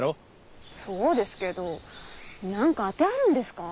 そうですけど何か「あて」あるんですかぁ？